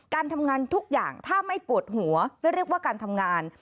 การทำงานทุกอย่างถ้าไม่ปวดหัวไม่เรียกว่าการทำงาน